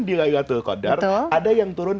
di laylatul qadar ada yang turun